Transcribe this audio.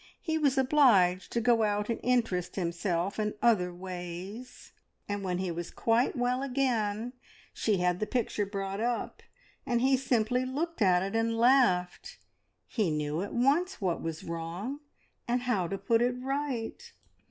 He was obliged to go out and interest himself in other ways, and when he was quite well again she had the picture brought up, and he simply looked at it and laughed. He knew at once what was wrong, and how to put it right."